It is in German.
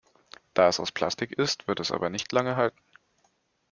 Da es aus Plastik ist, wird es aber nicht lange halten.